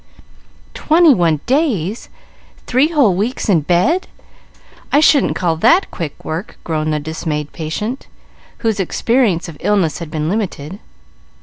"Twenty one days! Three whole weeks in bed! I shouldn't call that quick work," groaned the dismayed patient, whose experience of illness had been limited.